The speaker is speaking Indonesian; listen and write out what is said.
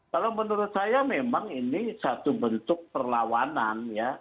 kalau menurut saya memang ini satu bentuk perlawanan ya